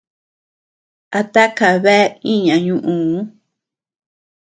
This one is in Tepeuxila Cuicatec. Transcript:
¿A takabea iña ñuʼüu?